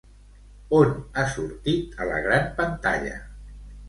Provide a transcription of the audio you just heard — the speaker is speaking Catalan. On ha sortit a la gran pantalla?